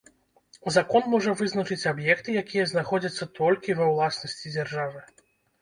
Закон можа вызначыць аб'екты, якія знаходзяцца толькі ва ўласнасці дзяржавы.